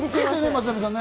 松並さん！